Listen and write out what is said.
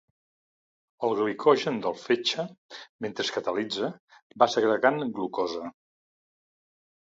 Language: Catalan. El glicogen del fetge, mentre es catalitza, va segregant glucosa.